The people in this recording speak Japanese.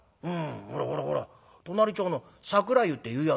ほらほらほら隣町の桜湯って湯屋だよ」。